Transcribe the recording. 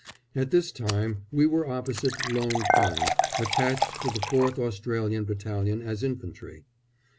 At this time we were opposite Lone Pine, attached to the 4th Australian Battalion as infantry.